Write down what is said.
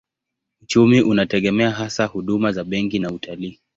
Uchumi unategemea hasa huduma za benki na utalii.